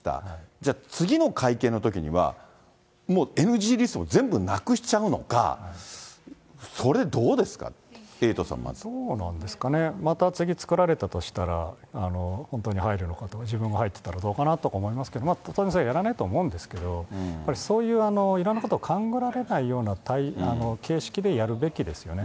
じゃあ次の会見のときには、もうＮＧリストも全部なくしちゃうのか、それどうですか、エイトさん、どうなんですかね、また次作られたとしたら、本当に入るのかと、自分が入ってたらどうかなとか思いますけど、やらないと思いますけど、やっぱりそういういろんなことを勘繰られないような形式でやるべきですよね。